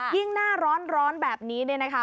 หน้าร้อนแบบนี้เนี่ยนะคะ